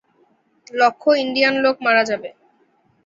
লক্ষ্য ইন্ডিয়ান লোক মারা যাবে।